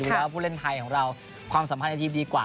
ดูแล้วผู้เล่นไทยของเราความสำคัญในทีปดีกว่า